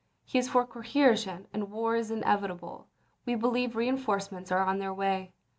He is for coercion, and war is inevitable. We believe reinforcements are on their way.